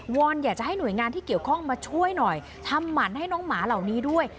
อนอยากจะให้หน่วยงานที่เกี่ยวข้องมาช่วยหน่อยทำหมันให้น้องหมาเหล่านี้ด้วย